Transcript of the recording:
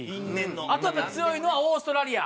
あとやっぱ強いのはオーストラリア。